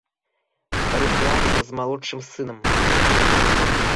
Руслан з малодшым сынам.